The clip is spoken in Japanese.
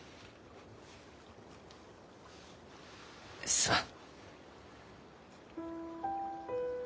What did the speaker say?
すまん。